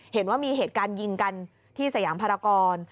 เห็นว่ามีเหตุการณ์ยิงกันที่สยามภารกร